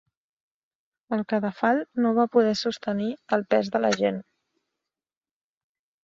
El cadafal no va poder sostenir el pes de la gent.